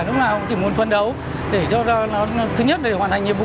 lúc nào cũng chỉ muốn phân đấu để cho nó thứ nhất để hoàn thành nhiệm vụ